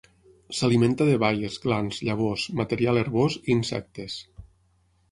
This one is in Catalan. S'alimenta de baies, glans, llavors, material herbós i insectes.